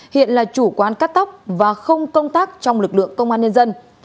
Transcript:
hiện là chủ quán cắt tóc và không công tác trong lực lượng công an nhân dân